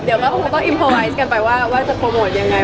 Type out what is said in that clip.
ก็เดี๋ยวก็พวกเราต้องประสบชาติกันไปว่าจะโปรโมทยังไง